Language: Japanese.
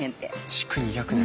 築２００年！